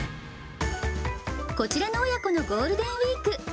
こちらの親子のゴールデンウィーク。